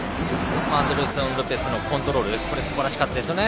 アンデルソン・ロペスのコントロールすばらしかったですよね。